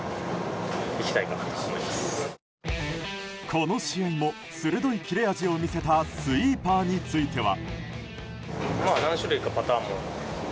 この試合も鋭い切れ味を見せたスイーパーについては。